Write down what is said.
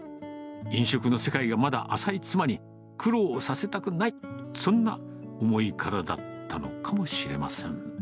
飲食の世界がまだ浅い妻に苦労をさせたくない、そんな思いからだったのかもしれません。